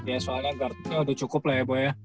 ya soalnya guardnya udah cukup lah ya bo ya